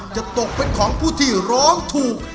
จะตกเป็นของผู้ที่ร้องถูก